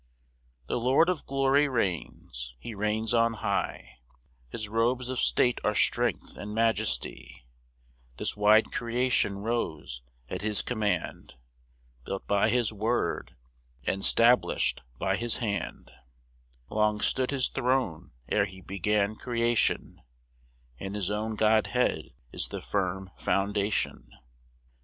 1 The Lord of glory reigns; he reigns on high; His robes of state are strength and majesty: This wide creation rose at his command, Built by his word, and 'stablish'd by his hand: Long stood his throne ere he began creation, And his own Godhead is the firm foundation.